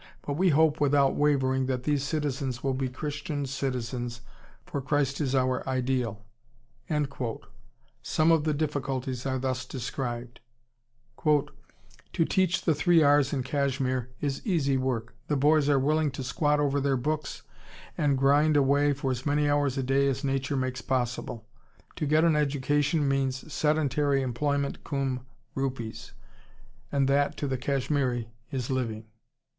But we hope without wavering that these citizens will be Christian citizens, for Christ is our ideal." Some of the difficulties are thus described: "To teach the three R's in Kashmir is easy work. The boys are willing to squat over their books and grind away for as many hours a day as nature makes possible. To get an education means sedentary employment cum rupees. And that to the Kashmiri is living.